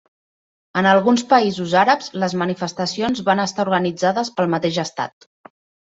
En alguns països àrabs les manifestacions van estar organitzades pel mateix estat.